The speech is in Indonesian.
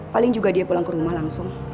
paling juga dia pulang ke rumah langsung